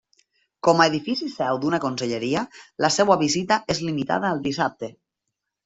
Com a edifici seu d'una conselleria, la seua visita és limitada al dissabte.